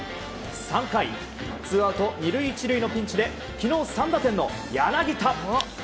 ３回ツーアウト２塁１塁のピンチで昨日３打点の柳田。